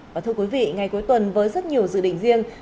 và thưa quý vị ngày cuối tuần với rất nhiều dự định riêng